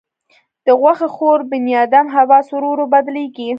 د غوښه خور بنیادم حواس ورو ورو بدلېږي.